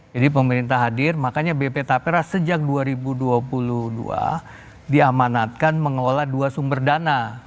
jadi pemerintah hadir makanya bp tapra sejak dua ribu dua puluh dua diamanatkan mengelola dua sumber dana